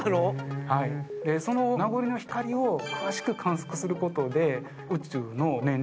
その名残の光を詳しく観測することで宇宙の年齢